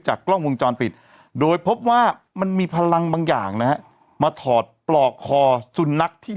กล้องวงจรปิดโดยพบว่ามันมีพลังบางอย่างนะฮะมาถอดปลอกคอสุนัขที่